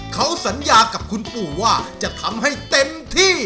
เขาสัญญากับคุณปู่ว่าจะทำให้เต็มที่